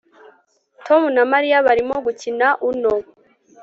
Tom na Mariya barimo gukina Uno